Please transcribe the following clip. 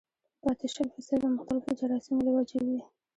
پاتې شل فيصده د مختلفو جراثيمو له وجې وي